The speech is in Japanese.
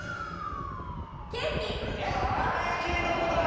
ケーキどうだ？